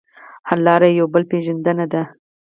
حل لاره یو بل پېژندل دي.